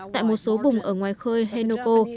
tại một số vùng ở ngoài khơi henoko